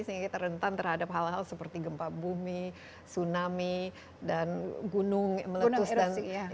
sehingga kita rentan terhadap hal hal seperti gempa bumi tsunami dan gunung meletus dan sebagainya